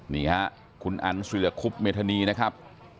นี่ฮะคุณอันสุรคุบเมธานีนะครับ